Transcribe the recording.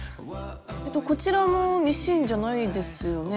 こちらもミシンじゃないですよね？